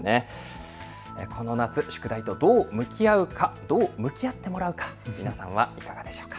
この夏、宿題とどう向き合うか、どう向き合ってもらうか、皆さんはいかがでしょうか。